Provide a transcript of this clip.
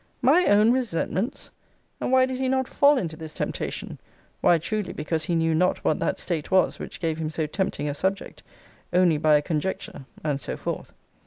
'My own resentments!' And why did he not fall into this temptation? Why, truly, because he knew not what that state was which gave him so tempting a subject only by a conjecture, and so forth.